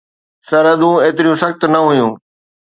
سرحدون ايتريون سخت نه هيون.